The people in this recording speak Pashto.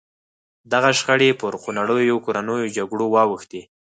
دغه شخړې پر خونړیو کورنیو جګړو واوښتې.